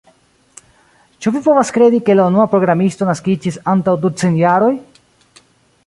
Ĉu vi povas kredi, ke la unua programisto naskiĝis antaŭ ducent jaroj?